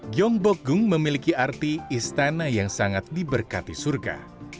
gyeongbokgung memiliki arti istana yang sangat diberkati surga